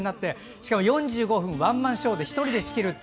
しかも４５分、ワンマンで１人で仕切るって。